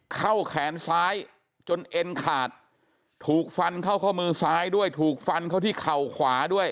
แขนซ้ายจนเอ็นขาดถูกฟันเข้าข้อมือซ้ายด้วยถูกฟันเข้าที่เข่าขวาด้วย